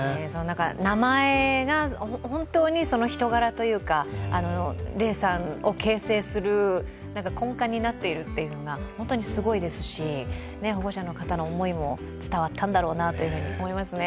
名前が本当に人柄というか嶺さんを形成する根幹になっているというのがホントにすごいですし、保護者の方の思いも伝わったんだろうなと思いますね。